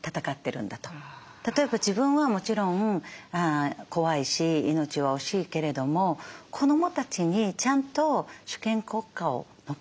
例えば自分はもちろん怖いし命は惜しいけれども子どもたちにちゃんと主権国家を残したい。